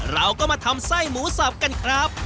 เราก็มาทำไส้หมูสับกันครับ